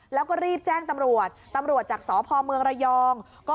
แล้วก็รีบแจ้งตำรวจตำรวจจากสพเมืองระยอง